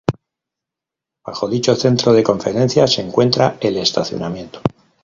Bajo dicho centro de conferencias se encuentra el estacionamiento.